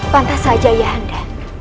pantas saja ayah handa